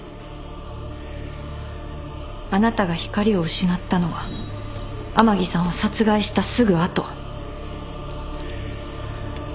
あなたが光を失ったのは甘木さんを殺害したすぐ後。